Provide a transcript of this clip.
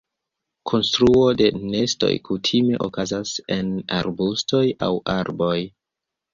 Konstruo de nestoj kutime okazas en arbustoj aŭ arboj.